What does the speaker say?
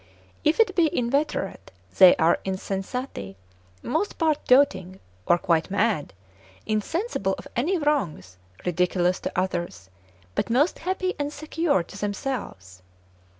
If it be inveterate, they are insensati, most part doting, or quite mad, insensible of any wrongs, ridiculous to others, but most happy and secure to themselves.